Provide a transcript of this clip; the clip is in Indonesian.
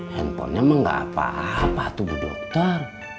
handphonenya emang gak apa apa tuh bu dokter